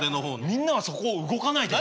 みんなはそこを動かないで。